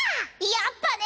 やっぱね！